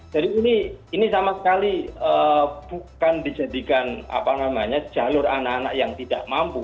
jadi ini sama sekali bukan dijadikan apa namanya jalur anak anak yang tidak mampu